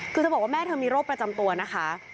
คือเธอบอกว่าแม่เธอมีโรคประจำตัวนะคะ